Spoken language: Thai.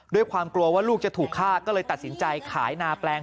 ด้วยความกลัวว่าลูกจะถูกฆ่าก็เลยตัดสินใจขายนาแปลง